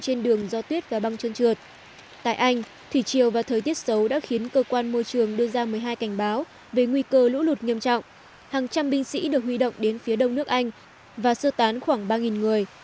hàng trăm binh sĩ được huy động đến phía đông nước anh và sơ tán khoảng ba người